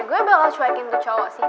gue bakal cuekin ke cowok sih